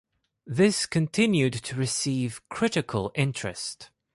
This continued to receive critical interest.